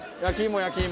焼き芋！